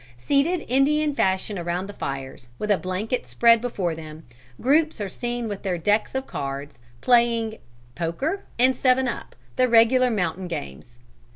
Seated Indian fashion around the fires, with a blanket spread before them, groups are seen with their 'decks' of cards playing at 'euchre,' 'poker,' and 'seven up,' the regular mountain games.